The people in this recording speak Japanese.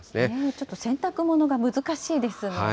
ちょっと洗濯物が難しいですね。